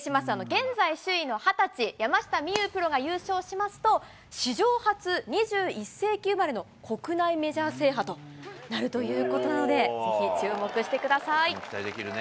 現在首位の２０歳、山下美夢有プロが優勝しますと、史上初、２１世紀生まれの国内メジャー制覇となるということなので、期待できるね。